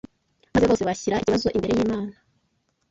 maze bose bashyira ikibazo imbere y’Imana